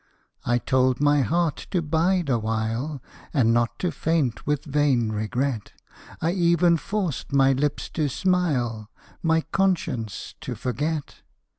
I told my heart to bide awhile, And not to faint with vain regret; I even forced my lips to smile, My conscience to forget.